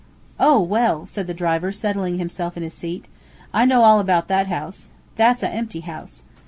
"Oh! well!" said the driver, settling himself in his seat. "I know all about that house. That's a empty house.